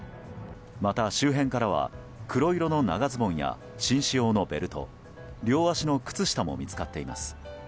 また、周辺からは黒色の長ズボンや紳士用のベルト両足の靴下も見つかっています。